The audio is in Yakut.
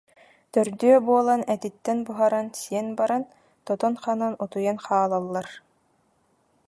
Төрдүө буолан этиттэн буһаран сиэн баран тотон-ханан утуйан хаалаллар